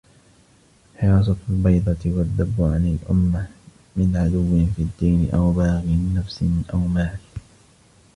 حِرَاسَةُ الْبَيْضَةِ وَالذَّبُّ عَنْ الْأُمَّةِ مِنْ عَدُوٍّ فِي الدِّينِ أَوْ بَاغِي نَفْسٍ أَوْ مَالٍ